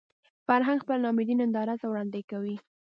فرهنګ خپله ناامیدي نندارې ته وړاندې کوي